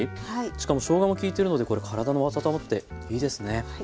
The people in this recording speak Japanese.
しかもしょうがも効いてるのでこれ体も温まっていいですね。